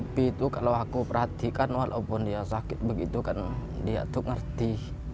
tapi itu kalau aku perhatikan walaupun dia sakit begitu kan dia tuh ngerti